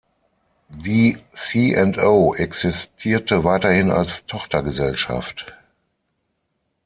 Die C&O existierte weiterhin als Tochtergesellschaft.